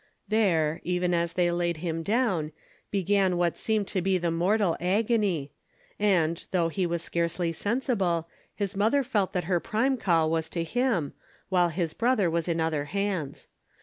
There, even as they laid him down, began what seemed to be the mortal agony, and, though he was scarcely sensible, his mother felt that her prime call was to him, while his brother was in other hands.